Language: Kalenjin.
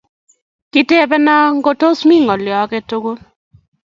Kitepena ngo tos mi ngolio age tugul